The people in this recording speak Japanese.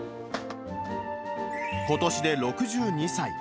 ことしで６２歳。